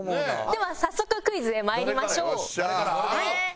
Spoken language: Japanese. では早速クイズへまいりましょう。